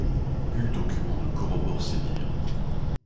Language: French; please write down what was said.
Nul document ne corrobore ces dires.